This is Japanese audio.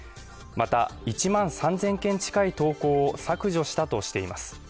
また１万３０００件近い投稿を削除したとしています